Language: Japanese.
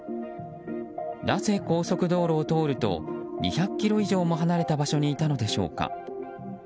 なぜ高速道路を通ると２００ｋｍ以上も離れた場所にいたのでしょうか。